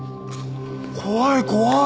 怖い怖い！